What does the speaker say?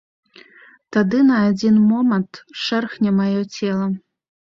Тады на адзін момант шэрхне маё цела.